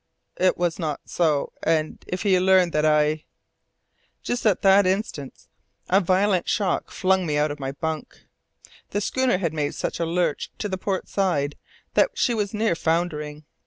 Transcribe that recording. "It was not so, and if he learned that I " Just at that instant a violent shock flung me out of my bunk. The schooner had made such a lurch to the port side that she was near foundering.